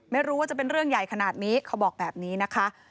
ไม่รู้ว่าจะเป็นเรื่องใหญ่ขนาดนี้เขาบอกแบบนี้นะคะ